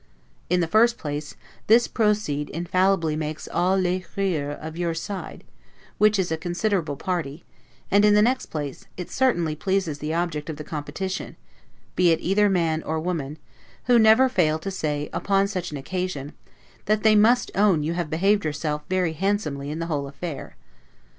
In the first place, this 'procede' infallibly makes all 'les rieurs' of your side, which is a considerable party; and in the next place, it certainly pleases the object of the competition, be it either man or woman; who never fail to say, upon such an occasion, that THEY MUST OWN YOU HAVE BEHAVED YOURSELF VERY, HANDSOMELY IN THE WHOLE AFFAIR.